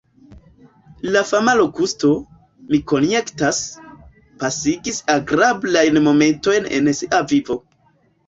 La fama Lokusto, mi konjektas, pasigis agrablajn momentojn en sia vivo.